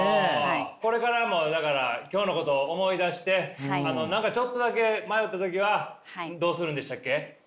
これからもだから今日のことを思い出して何かちょっとだけ迷った時はどうするんでしたっけ？